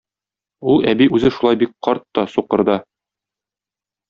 ул әби үзе шулай бик карт та, сукыр да